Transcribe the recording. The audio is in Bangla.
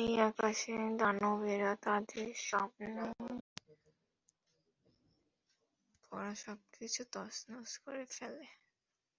এই আকাশের দানবেরা, তাদের সামনে পড়া সবকিছু তছনছ করে ফেলে।